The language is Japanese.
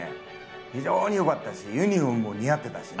非常に良かったですしユニホームも似合ってたしね。